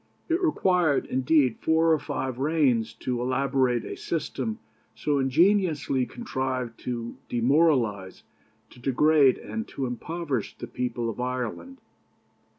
It required, indeed, four or five reigns to elaborate a system so ingeniously contrived to demoralize, to degrade, and to impoverish the people of Ireland.